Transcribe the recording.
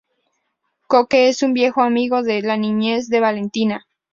Coque es un viejo amigo de la niñez de Valentina.